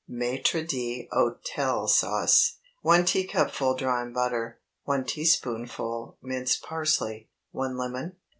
MAÎTRE D'HÔTEL SAUCE. ✠ 1 teacupful drawn butter. 1 teaspoonful minced parsley. 1 lemon.